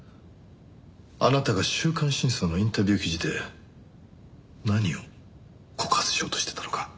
あなたが『週刊真相』のインタビュー記事で何を告発しようとしていたのか。